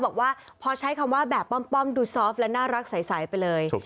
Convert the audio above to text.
บอกว่าพอใช้คำว่าแบบป้อมดูซอฟต์และน่ารักใสไปเลย